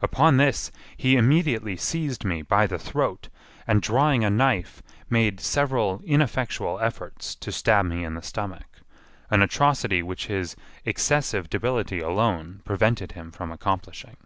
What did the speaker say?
Upon this he immediately seized me by the throat, and drawing a knife, made several ineffectual efforts to stab me in the stomach; an atrocity which his excessive debility alone prevented him from accomplishing.